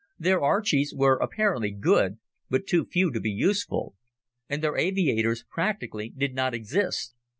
Their "Archies" were apparently good, but too few to be useful, and their aviators practically did not exist.